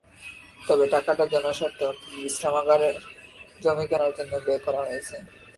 তবে টাকাটা জনস্বার্থে অর্থাৎ বিশ্রামাগারের জমি কেনার জন্য ব্যয় করা হয়েছে।